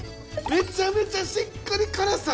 めちゃめちゃしっかり辛さ。